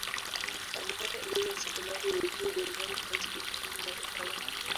Alipata elimu ya sekondari ya juu Jangwani High School jijini Dar es Salaam.